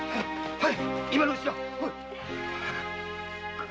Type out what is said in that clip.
はい。